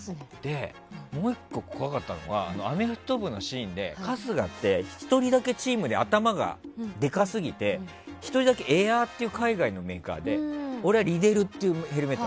もう１個怖かったのがアメフト部のシーンで春日って１人だけチームで頭がでかすぎて１人だけエアーっていう海外のメーカーで俺はリデルっていうヘルメット。